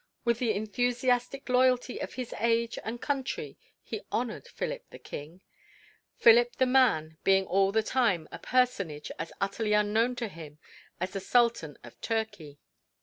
With the enthusiastic loyalty of his age and country he honoured Philip the king; Philip the man being all the time a personage as utterly unknown to him as the Sultan of Turkey.